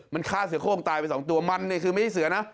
มันฆ่าเสือโค้งตายไปสองตัวมันเนี่ยคือไม่ใช่เสือนะ